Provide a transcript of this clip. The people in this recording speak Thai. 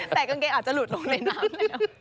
แต่กางเกงอาจจะหลุดลงในน้ำแล้ว